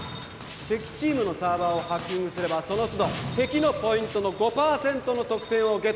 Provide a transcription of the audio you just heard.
敵チームのサーバーをハッキングすればその都度敵のポイントの５％の得点をゲット